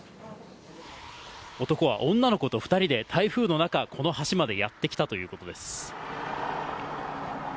男は女の子と２人で、台風の中、この橋までやって来たということです。